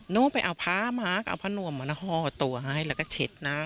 นู้นไปเอาพามาเอาพาหนัวมาหน่อตัวให้แล้วก็เช็ดน้ำ